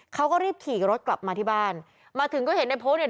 เขาก็รีบขี่รถกลับมาที่บ้านมาถึงก็เห็นในโพสต์เนี่ย